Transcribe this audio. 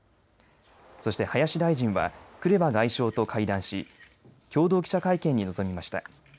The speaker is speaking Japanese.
そして林大臣はクレバ外相と会談し共同記者会見に臨みました。